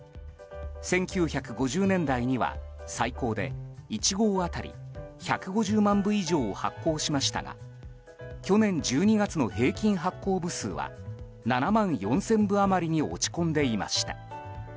１９５０年代には最高で、１号当たり１５０万部以上を発行しましたが去年１２月の平均発行部数は７万４０００部余りに落ち込んでいました。